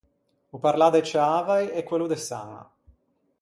O parlâ de Ciavai e quello de Saña.